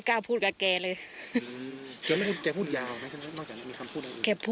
ครับ